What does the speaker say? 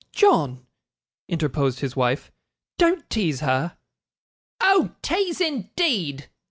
'John!' interposed his wife, 'don't tease her.' 'Oh! Tease, indeed!